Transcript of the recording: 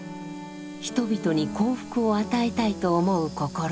人々に幸福を与えたいと思う心。